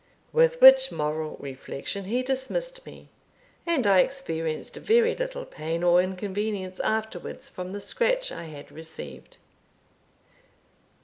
With which moral reflection he dismissed me; and I experienced very little pain or inconvenience afterwards from the scratch I had received.